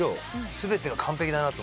全てが完璧だなと思って。